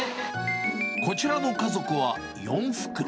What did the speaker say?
こちらの家族は４袋。